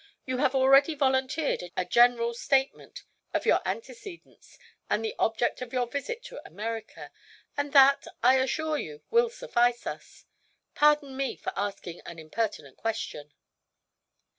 You have already volunteered a general statement of your antecedents and the object of your visit to America, and that, I assure you, will suffice us. Pardon me for asking an impertinent question."